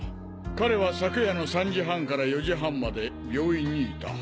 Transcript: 彼は昨夜の３時半から４時半まで病院にいた。